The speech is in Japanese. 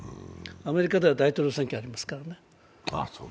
アメリカでは大統領選挙がありますからね。